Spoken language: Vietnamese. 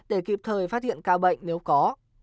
để kịp thời phát hiện cao bệnh nếu có